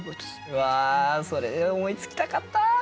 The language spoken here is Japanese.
うわそれ思いつきたかった！